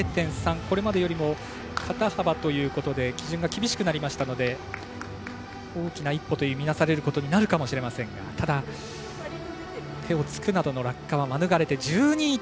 これまでよりも肩幅ということで基準が厳しくなりましたので大きな１歩と見なされることになるかもしれませんがただ、手をつくなどの落下は免れて１２．５６６。